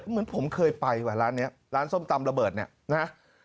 เหมือนผมเคยไปว่ะร้านนี้ร้านส้มตำระเบิดเนี่ยนะฮะ